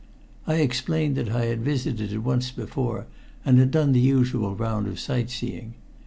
I explained that I had visited it once before, and had done the usual round of sight seeing.